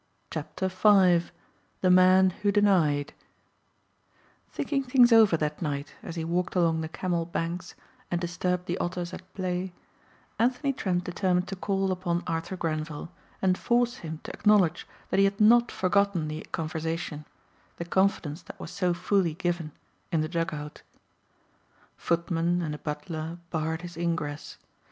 CHAPTER FIVE THE MAN WHO DENIED Thinking things over that night as he walked along the Camel banks and disturbed the otters at play, Anthony Trent determined to call upon Arthur Grenvil and force him to acknowledge that he had not forgotten the conversation, the confidence that was so fully given, in the dug out. Footmen and a butler barred his ingress.